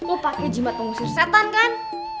oh pake jimat nguzir setan kan